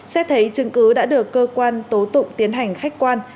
xét thấy chứng cứ đã được cơ quan tố tụng tiến hành khách quan